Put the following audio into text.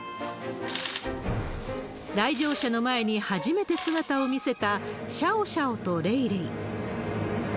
来場者の前に初めて姿を見せたシャオシャオとレイレイ。